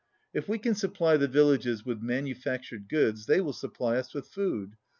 If we can 133 supply the villages with manufactured goods, they will supply us with food.